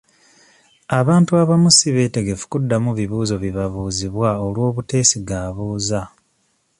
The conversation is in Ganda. Abantu abamu si beetegefu kuddamu bibuuzo bibabuuzibwa olw'obuteesiga abuuza.